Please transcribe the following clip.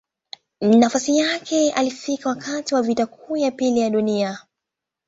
Nafasi yake alifika wakati wa Vita Kuu ya Pili ya Dunia.